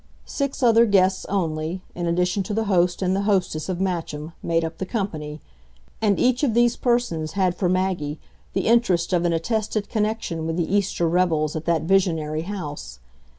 Six other guests only, in addition to the host and the hostess of Matcham, made up the company, and each of these persons had for Maggie the interest of an attested connection with the Easter revels at that visionary house.